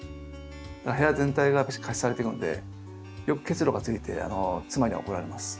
部屋全体がやっぱし加湿されていくんでよく結露がついて妻には怒られます。